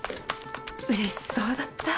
うれしそうだった。